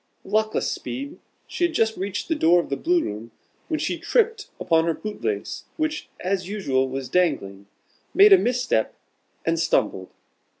Luckless speed! She had just reached the door of the Blue room, when she tripped upon her boot lace, which, as usual, was dangling, made a misstep, and stumbled.